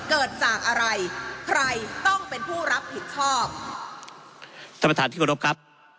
เกิดจากอะไรใครต้องเป็นผู้รับผิดชอบท่านประธานที่กรบครับ